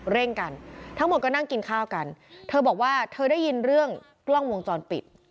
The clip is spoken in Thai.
เร่งกันทั้งหมดก็นั่งกินข้าวกันเธอบอกว่าเธอได้ยินเรื่องกล้องวงจรปิด